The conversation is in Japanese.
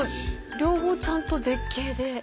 両方ちゃんと絶景で。